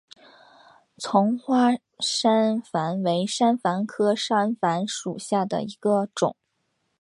丛花山矾为山矾科山矾属下的一个种。